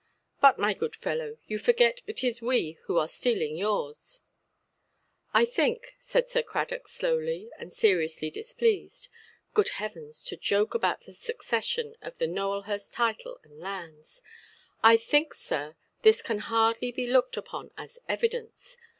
"But, my good fellow, you forget it is we who are stealing yours". "I think", said Sir Cradock, slowly, and seriously displeased—Good Heavens! to joke about the succession to the Nowelhurst title and lands!—"I think, sir, this can hardly be looked upon as evidence.